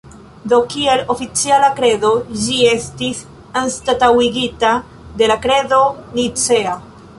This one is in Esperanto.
Do kiel oficiala kredo, ĝi estis anstataŭigita de la Kredo Nicea.